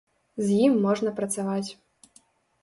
З ім можна працаваць.